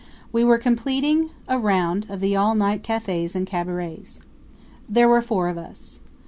We were completing a round of the all night cafes and cabarets. There were four of us.